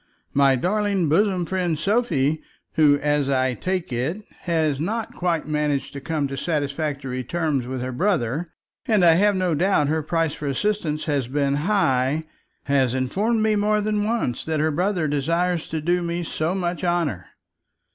My darling bosom friend Sophie, who, as I take it, has not quite managed to come to satisfactory terms with her brother, and I have no doubt her price for assistance has been high, has informed me more than once that her brother desires to do me so much honour.